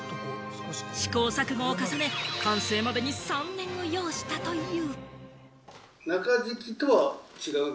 試行錯誤を重ね、完成までに３年を要したという。